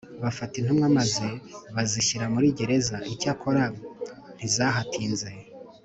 bafata intumwa maze bazishyira muri gereza Icyakora ntizahatinze